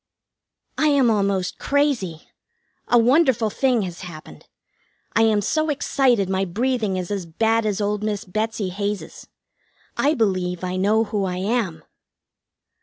I am almost crazy! A wonderful thing has happened. I am so excited my breathing is as bad as old Miss Betsy Hays's. I believe I know who I am.